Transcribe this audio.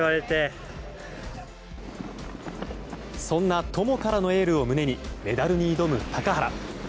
そんな友からのエールを胸に、メダルに挑む高原。